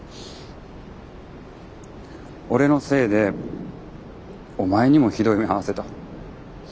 俺のせいでお前にもひどい目遭わせた。